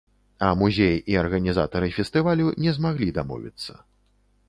А музей і арганізатары фестывалю не змаглі дамовіцца.